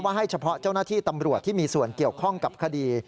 ให้เฉพาะเจ้าหน้าที่ตำรวจที่มีส่วนเกี่ยวข้องกับคดี